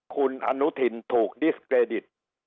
คุณอนุทินถูกดิสเครดิต